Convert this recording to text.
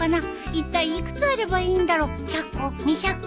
いったい幾つあればいいんだろう１００個？２００個？